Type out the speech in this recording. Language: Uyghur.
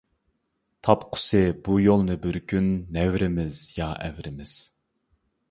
تاپقۇسى بۇ يولنى بىر كۈن نەۋرىمىز يا ئەۋرىمىز!